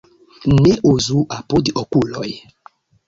Ne uzu apud okuloj.